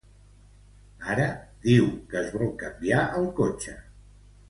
Ara, diu que es vol canviar el cotxe.